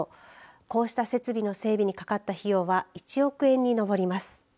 こうした設備の整備にかかった費用は１億円に上ります。